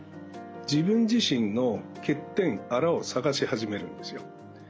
自分自身の欠点あらを探し始めるんですよ。